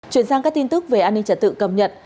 chuyển sang các tin tức về an ninh trật tự cầm nhận